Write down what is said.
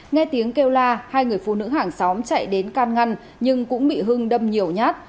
nghe tiếng kêu la hai người phụ nữ hàng xóm chạy đến can ngăn nhưng cũng bị hưng đâm nhiều nhát